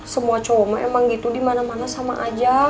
semua cuma emang gitu dimana mana sama aja